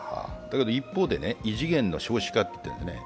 一方で異次元の少子化と言っているんですね。